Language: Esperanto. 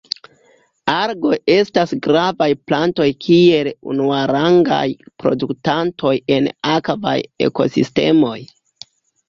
Algoj estas gravaj plantoj kiel unuarangaj produktantoj en akvaj ekosistemoj.